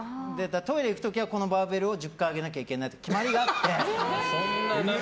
トイレに行く時はこのバーベルを１０回上げなきゃいけないっていう決まりがあって。